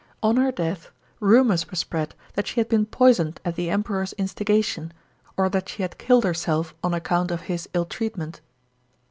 On her death, rumours were spread that she had been poisoned at the Emperor's instigation, or that she had killed herself on account of his ill treatment.